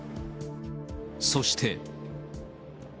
そして。